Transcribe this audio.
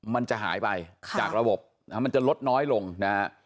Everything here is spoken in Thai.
มันจะหายไปจากระบบนะฮะมันจะลดน้อยลงนะฮะ